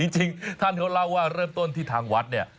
จริงท่านเขาเล่าว่าเริ่มต้นที่ทางวัดเนี่ย